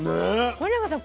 是永さん